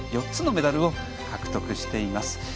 ４つのメダルを獲得しています。